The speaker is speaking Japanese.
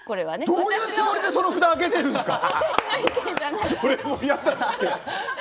どういうつもりでその札を上げているんですか。